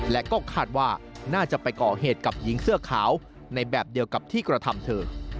และก็คาดว่าน่าจะไปก่อเหตุกับหญิงเสื้อขาวในแบบเดียวกับที่กระทำเธอ